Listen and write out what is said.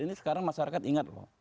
ini sekarang masyarakat ingat loh